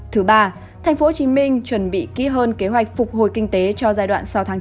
thứ ba tp hcm chuẩn bị kỹ hơn kế hoạch phục hồi kinh tế cho giai đoạn sáu tháng chín